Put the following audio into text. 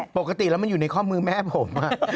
ปกติแล้วมันอยู่ในข้อมือแม่ผม